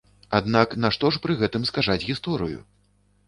Аднак нашто ж пры гэтым скажаць гісторыю?